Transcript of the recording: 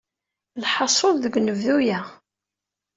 Lḥasul, deg unebdu-a.